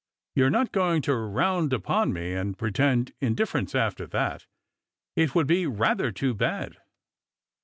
You're not going to round upon me and pretend indifference after that. It would be rather too bad."